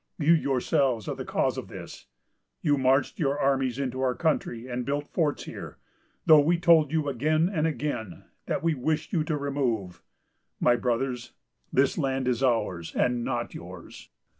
You yourselves are the cause of this. You marched your armies into our country, and built forts here, though we told you, again and again, that we wished you to remove. My Brothers, this land is ours, and not yours.